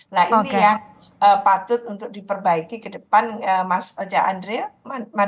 nah ini ya patut untuk diperbaiki ke depan mas j andrea